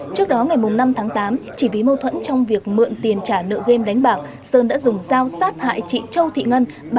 trước đó ngày năm tháng tám chỉ vì mâu thuẫn trong việc mượn tiền trả nợ game đánh bạc sơn đã dùng dao sát hại chị châu thị ngân